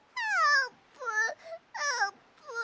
あーぷん！